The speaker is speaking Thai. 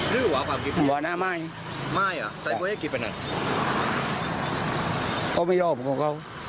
เพราะไม่ยอมตกเขา